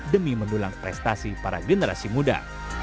demi mendulang prestasi para generasi muda